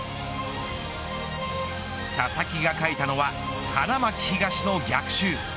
佐々木が書いたのは花巻東の逆襲。